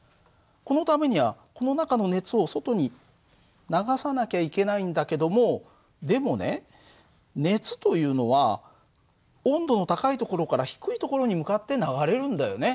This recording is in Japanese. このためにはこの中の熱を外に流さなきゃいけないんだけどもでもね熱というのは温度の高いところから低いところに向かって流れるんだよね。